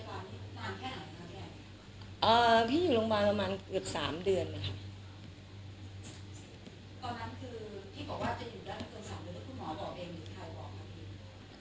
ตอนนั้นคือที่บอกว่าจะอยู่ได้ไม่เกิน๓เดือนแล้วคุณหมอบอกเองหรือใครบอกครับพี่